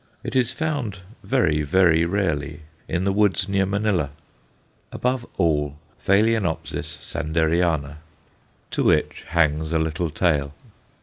It is found very, very rarely in the woods near Manilla. Above all, Ph. Sanderiana, to which hangs a little tale.